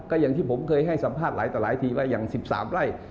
ก็อย่างที่ผมเคยให้สัมภาษณ์หลายต่อหลายทีว่าอย่าง๑๓ไร่